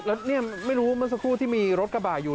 แล้วเนี่ยไม่รู้เมื่อสักครู่ที่มีรถกระบะอยู่